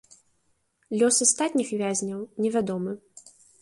Лёс астатніх вязняў невядомы.